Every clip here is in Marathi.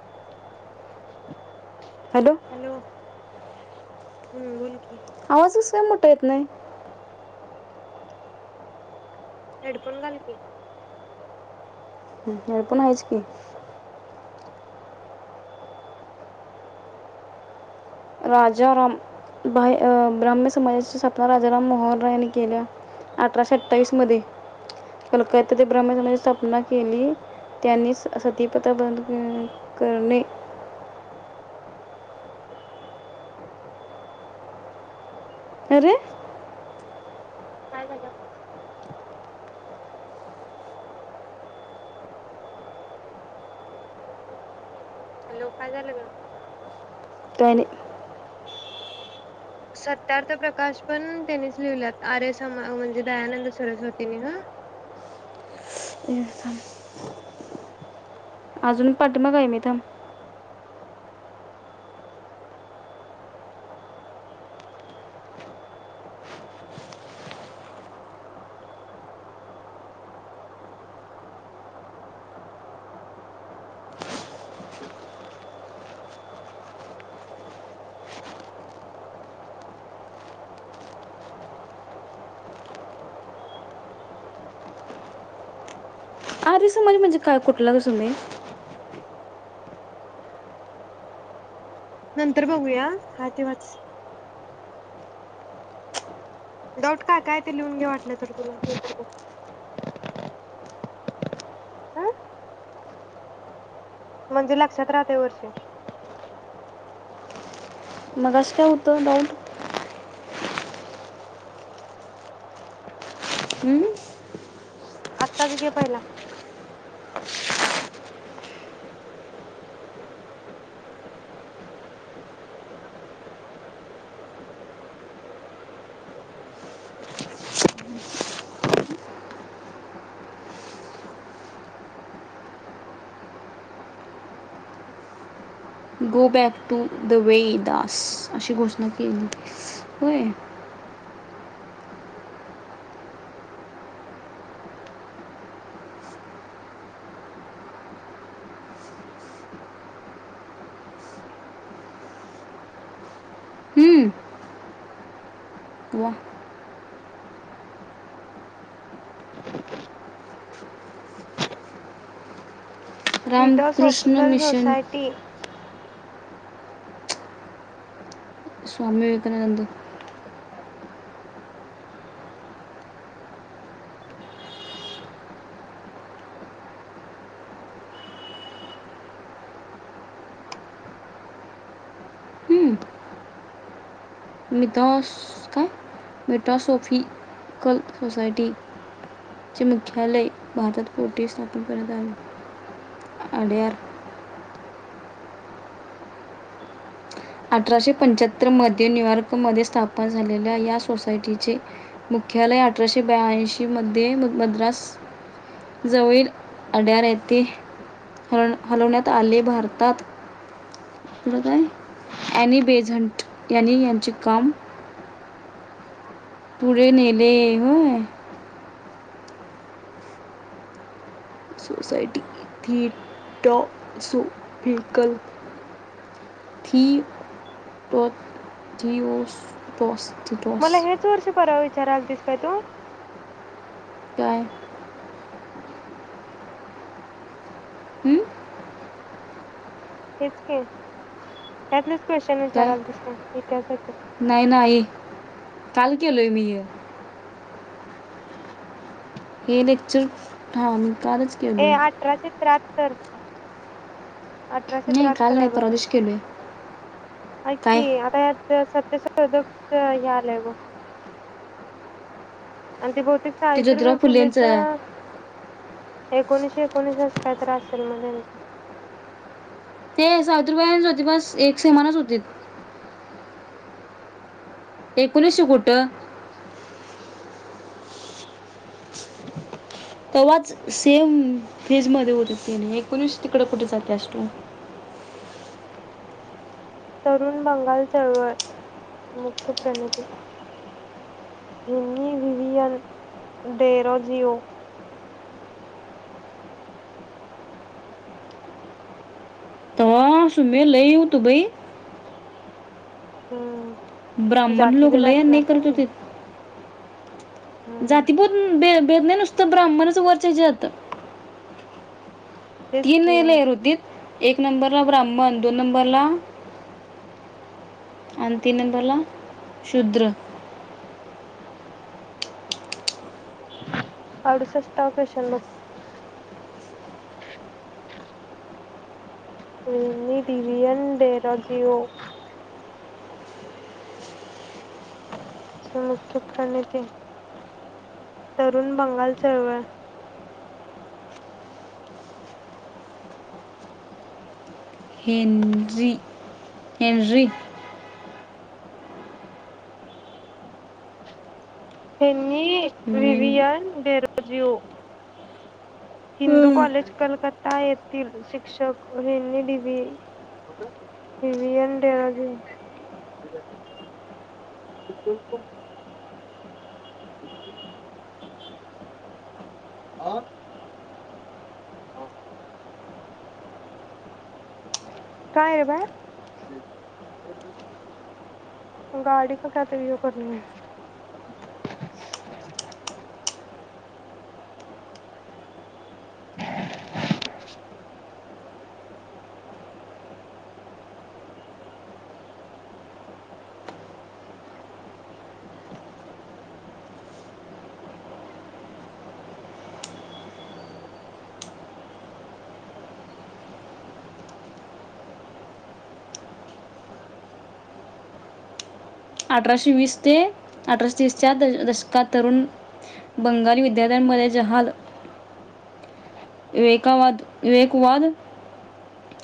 [inaudible] हॅलो हम्म बोलकी आवाज कसा काय मोठा येत नाय? हेडफोन घाल की हेडफोन हायच की राजाराम बा ब्रा्म समाजाची स्थापना राजाराम मोहन राय यांनी केल्या. अठराशे अठ्ठावीस मध्ये कलकात्या ते ब्राह्म समाजाची स्थापना केली त्यांनी सतीप्रथा बंद करणे. अरे काय झालं? हैलो काय झालं ग. [unintelligible] सत्यार्थ प्रकाश पण त्यानिच लिवल्यात आर्य समा म्हणजे दयानंद सरस्वतीनी ह हे थांब. अजून पाठीमागं हाय मी थांब आर्य समाज म्हणजे काय कुठलं ‌ग सुमे नंतर बघूया हा तेव्हाच डाऊट काय काय ते लिहून घे वाटलं तर तुला हा म्हणजे लक्षात राहतय वर्षी मगाशी काय होतं डाऊट हम्म आत्ताच घे पहिला गो बॅक टू द वे दास अशी घोषणा केली. होय हम्म वा Ramakrishna theosophical mission society Swami Vivekananda मिटावोस काय? मिटोसोफि कल सोसायटीचे मुख्यालय भारतात कोठे स्थापन करण्यात आले आलेर अठराशे पंच्याह तर मध्य न्यूयॉर्कमध्ये स्था झालेल्या या सोसायटीचे मुख्यालय अठराशे ब्यांऐशी मध्ये मद्रास जवळील अड्यार येथे ह हलवण्यात आले. भारतात पुढं काय? ॲनी बेझंट यांनी यांचे काम पुढे नेले होय. सोसायटी थि टॉप सो थिकल थि तो जिओ तोस मला हेच वर्ष परावेय विचार आलतिस काय तू. काय? हं? हेच की त्यातलंच क्वेशचन काय विचाराल आलतीस का इतिहासाच नाही नाही काल केलय मीये हे लेक्चर थाव ए अठराशे त्र्या तर अठराशे नाही काल त्र्याहत्तर नाही हाय बग परवा ते. दिवशी केलोय ऐक काय की आता ह्या सत्य [unintelligible] हे आलंय बग आणि ते भ ते ज्योतिराव सावित्रीबाई फुलेचा फुलेंचं एकोणिशे एकोणीस अस काय तर असल मग त्यांचं. ते सावत्रीबाई ज्योतिबास एक समानच होतीत. एकोणीशे कुट [inaudible] तवाच सेम फेज मध्ये होते तेनी, एकोणीस तिकड कुठ जात्यास तू. तरुण बंगाल चळवळ मुख्य प्रणिती. हिनी विविएन डेरोजिओ. अ सुम्मे लई हुतं बई. हम्म. ब्राह्मण लोक जातीभेद लय अन्याय असणार का करत नाही होतीत. हम्म जातीबोध बे वेदने नुसतं ब्राह्मणच वरचे जात. तेच तीनने की लेयर् हुतीत. एक नंबरला ब्राह्मण, दोन नंबरला अन तीन नंबरला शूद्र. अडुसष्टावा क्वेश्चन बघ? रिनी डिवएन डेरोजिओ. अच्छा मुख्य प्रणिधी? तरुण बंगाल चळवळ. Henry Henry. हेनी वेन- विवियन डेरोजिओ. हिंदू अं, कॉलेज कलकत्ता येथील शिक्षक हेनी डीव्ही डिव्हियन डेरोजिओ [inaudible] आ? काय हाय रे बाहेर? गाडी का कायतरी करणिये. [inaudible] अठराशे वीस ते अठराशे तीसच्या दशकात तरुण बंगाली विद्यालयांमध्ये जहाल [inaudible] विवेकावाद, विवेकवाद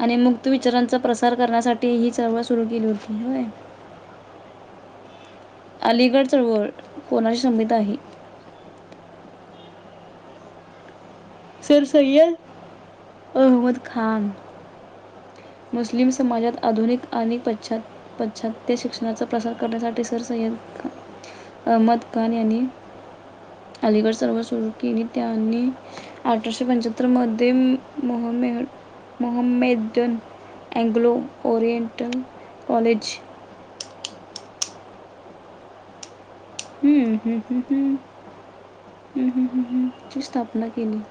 आणि मुक्त विचारांचा प्रसार करण्यासाठी हि चळवळ सुरू केली होती. व्हय अलीगड चळवळ कोणाशी समीत आहे? सीर सय्यद, अहमद खान. मुस्लिम समाजात आधुनिक आणि पाश्चात् पश्चात्य शिक्षणाचा प्रसार करण्यासाठी सर सय्यद खा- अहमद खान यांनी अलीगड चळवळ सुरू केली. त्यांनी अठराशे पंच्याहत्तरमध्ये मोहमेद मोहम्मेदून अँंग्लो ओरिएनटल कॉलेज. हम्म हम्म हम्म हम्म हम्म हम्म हम्म ची स्थापना केली.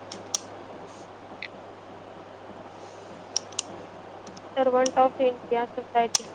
Servant of India society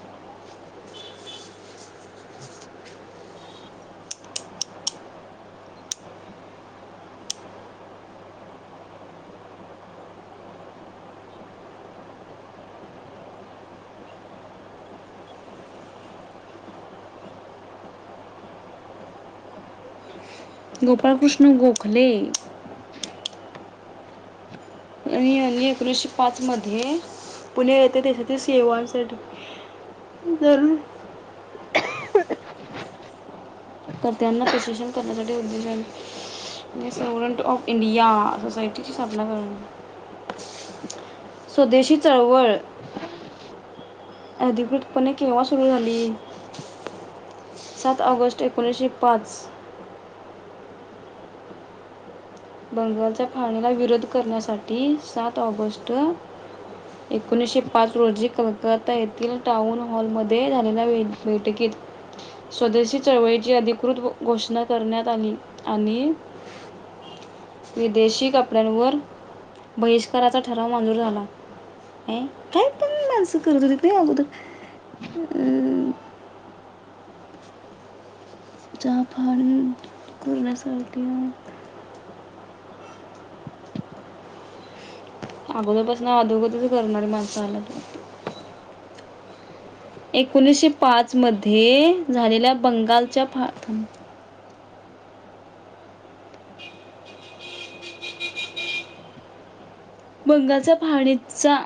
[unintelligible] [unintelligible] [unintelligible] Gopal Krishna गोप [inaudible] आणि यांनी एकोणीशे पाच मध्ये पुणे येेते देशील सेवा जर कर्त्यांना प्रशिक्षण करण्यासाठी उद्देशाने म्हणजे सर्वंट ऑफ इंडिया सोसायटीची स्थापना करण स्वदेशी चळवळ अधिकृतपणे केव्हा सुरू झाली? सात ऑगस्ट एकोणीशे पाच. बंगालच्या फाळणीला विरोध करण्यासाठी सात ऑगस्ट एकोणीशे पाच रोजी कलकाता येथे टाउन हॉलमध्ये झालेल्या बैठकीत स्वदेशी चळवळीची अधिकृत घोषणा करण्यात आली आणि विदेशी कपड्यांवर बहिष्काराचा ठराव मंजूर झाला अँ काय पण मानस करत होतीत नई अगोदर अं [inaudible] चहा फान करण्यासाठीअ अगोदरपासन अदोगरच करणारी माणस आल्यात एकोणीशे पाच मध ये झालेल्या बंगालच्या फाळ थांब बंगालच्या फाळणीचा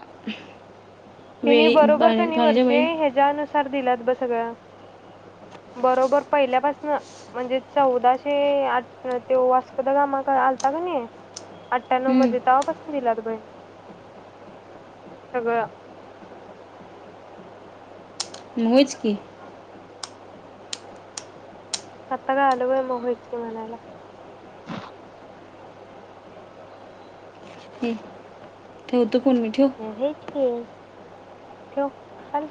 हेनी वेळी बरोबर क नई फाळणीच्या वर्षे वेळी ह्याच्यानुसार दिल्यात. बघ सगळं बरोबर पहिल्यापासन म्हणजे चौदाशे आठ ते वास्कोद गामा आलता कनी अठ्ठ्या्णव हम्म, मध्ये तवापासून दिल्यात ब हे सगळ म होयच की. आता काय आलवय मग व्हयच की म्हणायला. हम्म ठेव हम्म हेच की ठेव हल